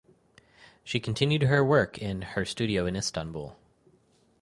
She continued her work in her studio in Istanbul.